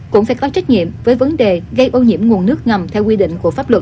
cũng phải có trách nhiệm với vấn đề gây ô nhiễm nguồn nước ngầm theo quy định của pháp luật